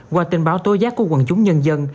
qua tình báo tối giác của quần chúng nhân dân